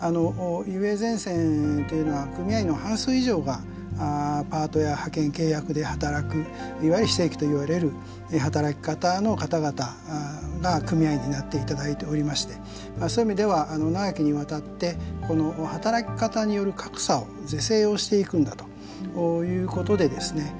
ＵＡゼンセンというのは組合員の半数以上がパートや派遣契約で働くいわゆる非正規といわれる働き方の方々が組合員になっていただいておりましてそういう意味では長きにわたって働き方による格差を是正をしていくんだということでですね